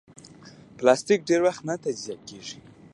پلاستيک ډېر وخت نه تجزیه کېږي.